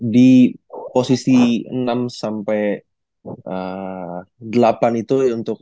di posisi enam sampai delapan itu untuk